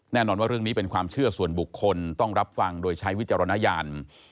แน่นอนว่าเรื่องนี้เป็นความเชื่อส่วนบุคคลต้องรับฟังโดยใช้วิจารณญาณ